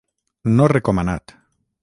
No recomanat.